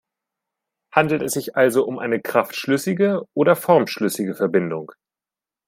Handelt es sich also um eine kraftschlüssige oder formschlüssige Verbindung?